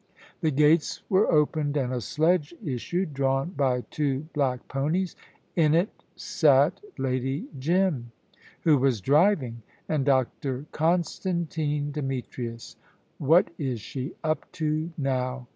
The gates were opened and a sledge issued, drawn by two black ponies. In it sat Lady Jim, who was driving, and Dr. Constantine Demetrius. "What is she up to now?"